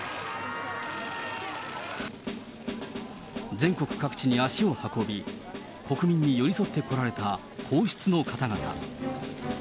全国各地に足を運び、国民に寄り添ってこられた皇室の方々。